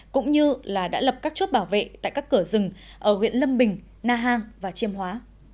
cũng như đã lập các chốt bảo vệ tại các cửa rừng ở huyện lâm bình na hàng và chiêm hóa